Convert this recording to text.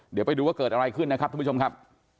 เดี๋ยวไปดูว่าเกิดอะไรขึ้นนะครับทุกผู้ชมครับ